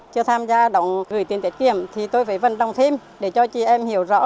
chưa tham gia đóng gửi tiền tiết kiệm thì tôi phải vận động thêm để cho chị em hiểu rõ